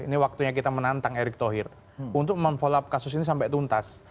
ini waktunya kita menantang erick thohir untuk memfollow up kasus ini sampai tuntas